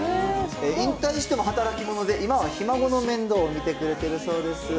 引退しても働き者で、今はひ孫の面倒を見てくれてるそうです。